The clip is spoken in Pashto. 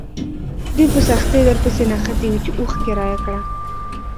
دوی په سختۍ درپسې نښتي وي چې اوښ کرایه کړه.